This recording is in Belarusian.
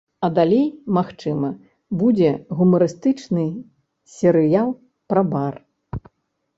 А далей, магчыма, будзе гумарыстычны серыял пра бар.